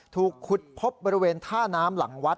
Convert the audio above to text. ถูกขุดพบบริเวณท่าน้ำหลังวัด